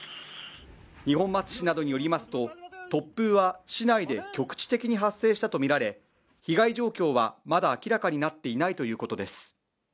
二本松市などによりますと、突風は市内で局地的に発生したとみられ、被害状況はまだ明らかになっていないということです。